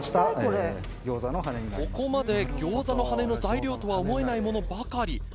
ここまで餃子の羽根の材料とは思えないものばかり。